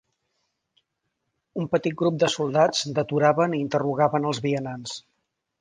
Un petit grup de soldats deturaven i interrogaven els vianants.